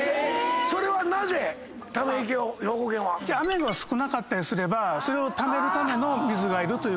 雨が少なかったりすればためるための水がいるという。